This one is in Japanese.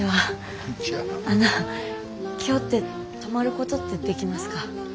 あの今日って泊まることってできますか？